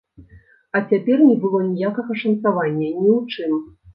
А цяпер не было ніякага шанцавання, ні ў чым!